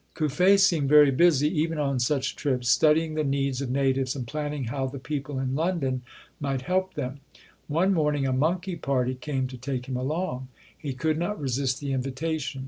Cuffe seemed very busy, even on such trips, studying the needs of natives and planning how the people in London might help them. One morn ing a monkey party came to take him along. He could not resist the invitation.